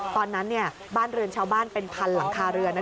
ตอนนั้นบ้านเรือนชาวบ้านเป็นพันหลังคาเรือน